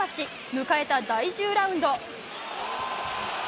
迎えた第１０ラウンド。